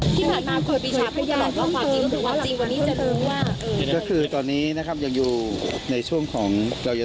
ที่ผ่านมาควรพิชาพุทธรรมความจริงถือว่าจริงวันนี้จะรู้ว่า